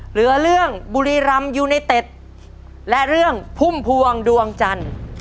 เหลือเรื่องบุรีรำยูไนเต็ดและเรื่องพุ่มพวงดวงจันทร์